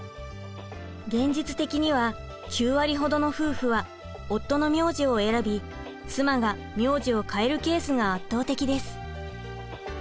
現実的には９割ほどの夫婦は夫の名字を選び妻が名字を変えるケースが圧倒的です。